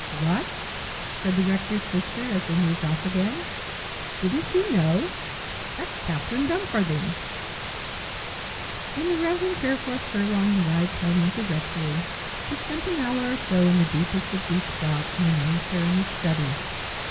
"What!" said the rector's sister, as they moved off again, "didn't you know? That's Catherine Dumfarthing!" When the Rev. Fareforth Furlong arrived home at the rectory he spent an hour or so in the deepest of deep thought in an armchair in his study.